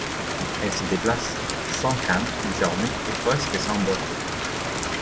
Elle se déplace sans canne, désormais, et presque sans boiter.